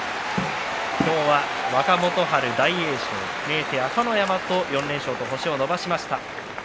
今日は若元春、大栄翔明生、朝乃山と４連勝と星を伸ばしました。